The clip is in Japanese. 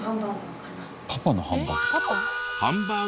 パパのハンバーガー？